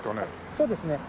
そうですね。